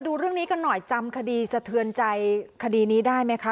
ดูเรื่องนี้กันหน่อยจำคดีสะเทือนใจคดีนี้ได้ไหมคะ